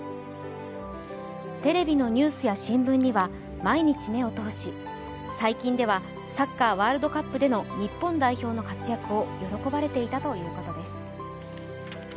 テレビのニュースや新聞には毎日、目を通し最近ではサッカー・ワールドカップでの日本代表の活躍を喜ばれていたということです。